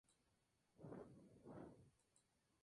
Además, Argentina fue sede del festival en dos oportunidades.